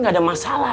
gak ada masalah